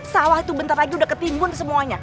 sawah itu bentar lagi udah ketimbun semuanya